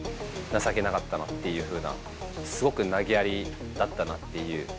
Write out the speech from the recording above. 情けなかったなっていうふうな、すごく投げやりだったなという。